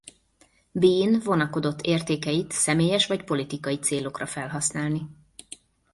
Bean vonakodott értékeit személyes vagy politikai célokra felhasználni.